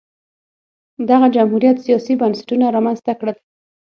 دغه جمهوریت سیاسي بنسټونه رامنځته کړل